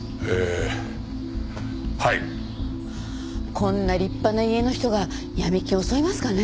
こんな立派な家の人が闇金襲いますかね？